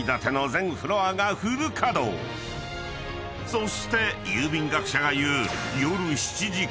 ［そして郵便学者が言う］